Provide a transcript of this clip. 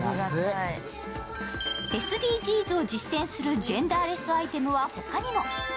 ＳＤＧｓを実践するジェンダーレスアイテムは他にも。